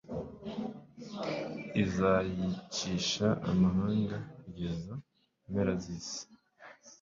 izayicisha amahanga kugeza ku mpera z'isi